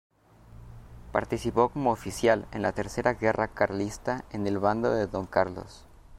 Participó como oficial en la tercera guerra carlista en el bando de Don Carlos.